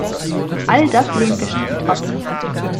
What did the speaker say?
All das lehnen wir strikt ab.